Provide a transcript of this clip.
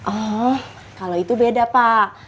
oh kalau itu beda pak